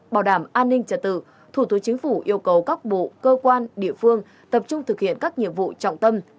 bảo đảm an ninh trả tự thủ tướng chính phủ yêu cầu các bộ cơ quan địa phương tập trung thực hiện các nhiệm vụ trọng tâm